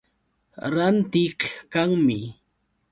Rantiq kanmi.